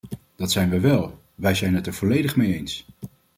Dat zijn wij wel; wij zijn het er volledig mee eens.